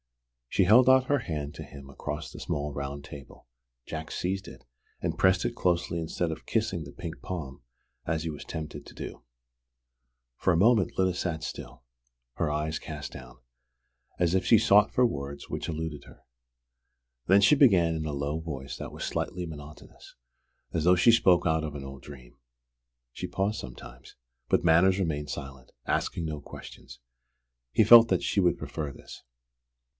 She held out her hand to him across the small round table. Jack seized it, and pressed it closely instead of kissing the pink palm as he was tempted to do. For a moment Lyda sat still, her eyes cast down, as if she sought for words which eluded her. Then she began in a low voice that was slightly monotonous, as though she spoke out of an old dream. She paused sometimes; but Manners remained silent, asking no questions. He felt that she would prefer this.